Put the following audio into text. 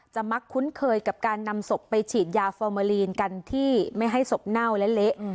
มักคุ้นเคยกับการนำศพไปฉีดยาฟอร์เมอลีนกันที่ไม่ให้ศพเน่าและเละ